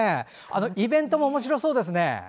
イベントもおもしろそうですね。